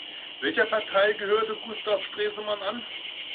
Welcher Partei gehörte Gustav Stresemann an?